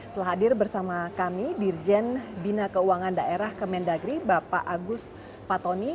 telah hadir bersama kami dirjen bina keuangan daerah kemendagri bapak agus fatoni